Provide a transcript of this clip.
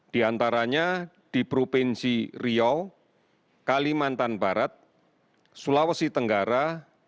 diantaranya di provinsi rio kalimantan barat sulawesi tenggara